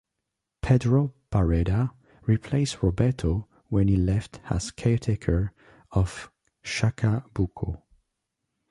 Pedro Barreda replaced Roberto when he left as caretaker of Chacabuco.